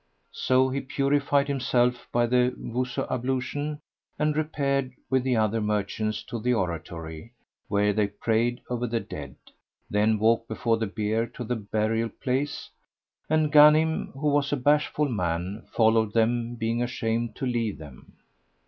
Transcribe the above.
So he purified himself by the Wuzu ablution[FN#84] and repaired with the other merchants to the oratory, where they prayed over the dead, then walked before the bier to the burial place, and Ghanim, who was a bashful man, followed them being ashamed to leave them.